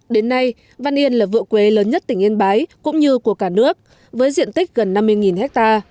đến nay văn yên là vựa quế lớn nhất tỉnh yên bái cũng như của cả nước với diện tích gần năm mươi ha